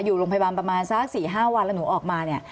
อยู่โรงพยาบาลประมาณสัก๔๕วันแล้วหนูออกมาเนี่ย